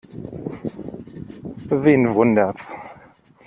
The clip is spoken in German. Wen wundert's?